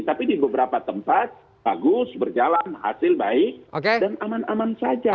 tapi di beberapa tempat bagus berjalan hasil baik dan aman aman saja